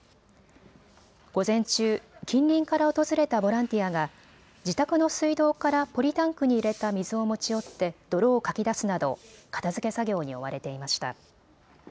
午前中、近隣から訪れたボランティアが自宅の水道からポリタンクに入れた水を持ち寄って泥をかき出すなど片づけ作業に追われていました。